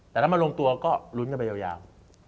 แต่ถ้ามาลงตัวก็ลุ้นกันไปยาว